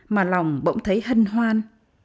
mà lòng bỗng thấy hân hoan